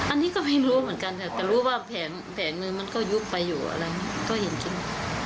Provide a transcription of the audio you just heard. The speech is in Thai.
อันนี้ก็ไม่รู้เหมือนกันค่ะแต่รู้ว่าแผงนึงมันก็ยุบไปอยู่อะไรก็เห็นจริง